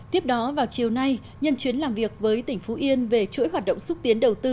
tiếp đó vào chiều nay nhân chuyến làm việc với tỉnh phú yên về chuỗi hoạt động xúc tiến đầu tư